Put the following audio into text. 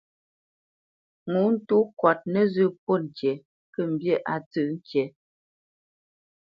Ŋo tô kɔt nǝzǝ́ pɔ́t ŋkǐ kə̂ mbî á tsǝ̂p ŋkǐ.